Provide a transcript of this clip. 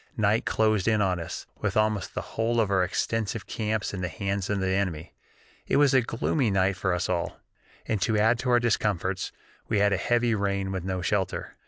Night closed in on us, with almost the whole of our extensive camps in the hands of the enemy. It was a gloomy night for us all, and to add to our discomforts we had a heavy rain with no shelter.